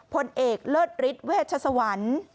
พลเอกเลิศฤทธิเวชสวรรค์